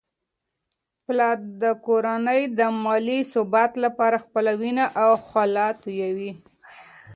پلار د کورنی د مالي ثبات لپاره خپله وینه او خوله تویوي.